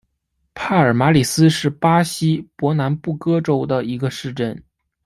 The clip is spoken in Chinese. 帕尔马里斯是巴西伯南布哥州的一个市镇。